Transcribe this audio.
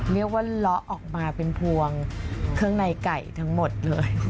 เลาะออกมาเป็นพวงเครื่องในไก่ทั้งหมดเลย